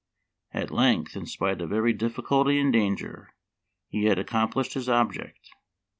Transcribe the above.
At length, in spite of every difficulty and danger, he had accomplished his object.